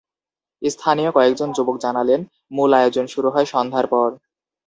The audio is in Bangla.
স্থানীয় কয়েকজন যুবক জানালেন, মূল আয়োজন শুরু হয় সন্ধ্যার পর।